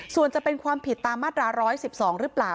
ส่วนจะเป็นความผิดตามมาตรา๑๑๒หรือเปล่า